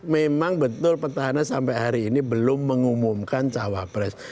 memang betul petahana sampai hari ini belum mengumumkan cawapres